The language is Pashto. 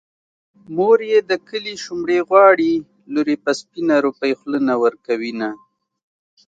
مور يې د کلي شومړې غواړي لور يې په سپينه روپۍ خوله نه ورکوينه